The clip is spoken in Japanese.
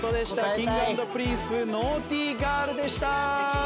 Ｋｉｎｇ＆Ｐｒｉｎｃｅ『ＮａｕｇｈｔｙＧｉｒｌ』でした。